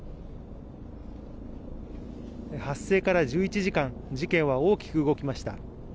発生から１１時間、事件は大きく動きました。